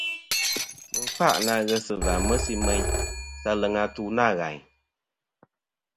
Mɨ n-kfâʼ na ghes va mesi meyn sa aleŋ atu nâ ghàyn.